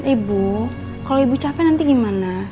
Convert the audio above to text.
ibu kalau ibu capek nanti gimana